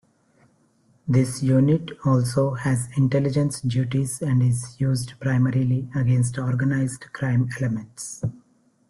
This unit also has intelligence duties and is used primarily against organized crime elements.